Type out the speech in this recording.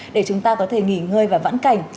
để chúng ta có thể nghỉ ngơi và vãn cảnh